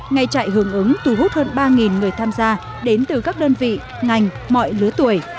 ngày chạy hướng ứng thu hút hơn ba người tham gia đến từ các đơn vị ngành mọi lứa tuổi